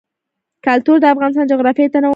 کلتور د افغانستان د جغرافیوي تنوع مثال دی.